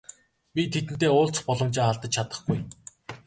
Би тэдэнтэй уулзах боломжоо алдаж чадахгүй.